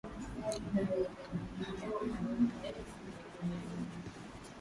leo mkanyia na wimbo wake dunia hii